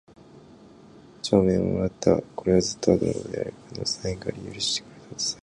帳面も貰つた。是はずつと後の事であるが金を三円許り借してくれた事さへある。